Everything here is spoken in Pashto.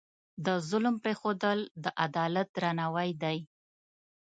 د ظلم پرېښودل، د عدالت درناوی دی.